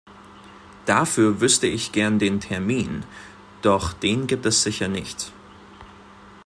Dafür wüßte ich gern den Termin, doch den gibt es sicher nicht.